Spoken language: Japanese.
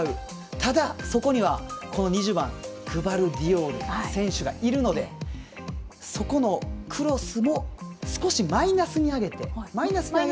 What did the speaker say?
ただ、そこには２０番グバルディオル選手がいるのでそこのクロスも少しマイナスに上げると。